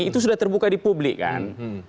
itu sudah terbuka di publik kan